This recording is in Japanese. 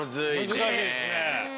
難しいっすね。